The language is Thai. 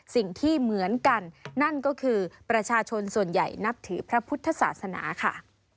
สิ่งที่เหมือนกันนั่นก็คือประชาชนส่วนใหญ่นับถือพระพุทธศาสนาค่ะ